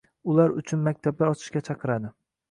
ular uchun maktablar ochishga chaqiradi.